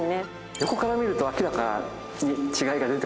横から見ると明らかに違いが出てくるんですね。